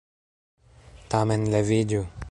Tamen leviĝu!